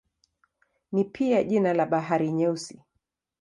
Ni pia jina la Bahari Nyeusi.